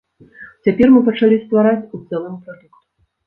Цяпер мы пачалі ствараць у цэлым прадукт.